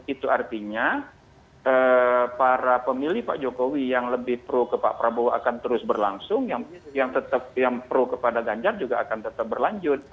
itu artinya para pemilih pak jokowi yang lebih pro ke pak prabowo akan terus berlangsung yang tetap yang pro kepada ganjar juga akan tetap berlanjut